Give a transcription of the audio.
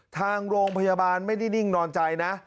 ทางโรงพยาบาลไม่ได้นิ่งนอนใจนะ